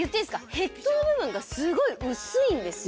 ヘッドの部分がすごい薄いんですよ。